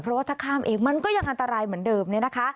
เพราะว่าถ้าข้ามเอกมันก็ยังอันตรายเหมือนเดิม